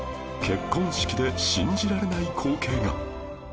結婚式で信じられない光景が